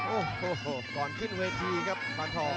โอ้โหก่อนขึ้นเวทีครับปานทอง